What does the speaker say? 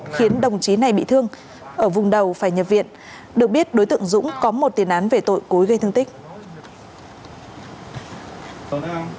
khiến đồng chí này bị thương ở vùng đầu phải nhập viện được biết đối tượng dũng có một tiền án về tội cối gây thương tích